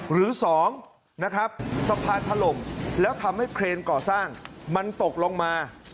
หรือ๒นะครับสะพานถล่มแล้วทำให้เครนก่อสร้างมันตกลงมา